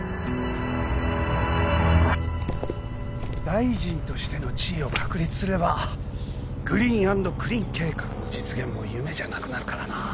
大臣としての地位を確立すればグリーン＆クリーン計画の実現も夢じゃなくなるからな。